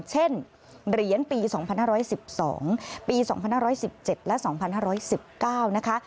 เช่นเหรียญปี๒๕๑๒ปี๒๕๑๗และ๒๕๑๙นะคะ